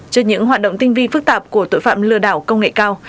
trên những hoạt động tinh vi phức tạp của tội phạm lừa đảo công nghệ cao